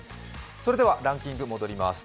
それではランキング戻ります。